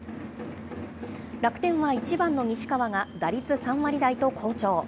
楽天は１番の西川が打率３割台と好調。